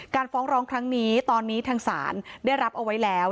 ฟ้องร้องครั้งนี้ตอนนี้ทางศาลได้รับเอาไว้แล้ว